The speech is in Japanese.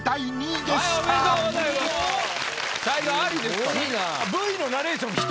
才能アリですから。